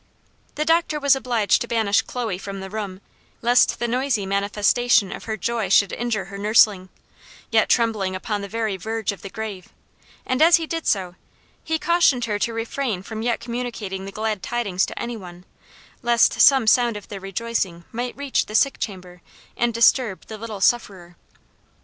The doctor was obliged to banish Chloe from the room, lest the noisy manifestation of her joy should injure her nursling, yet trembling upon the very verge of the grave; and as he did so, he cautioned her to refrain from yet communicating the glad tidings to any one, lest some sound of their rejoicing might reach the sick chamber, and disturb the little sufferer.